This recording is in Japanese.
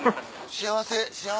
幸せ？